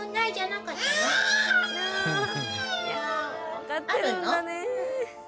分かってるんだねぇ。